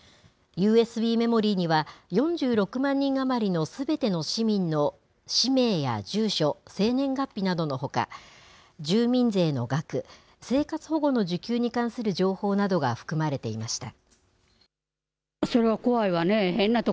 ＵＳＢメモリーには、４６万人余りのすべての市民の氏名や住所、生年月日などのほか、住民税の額、生活保護の受給に関する情報などが含まれていました。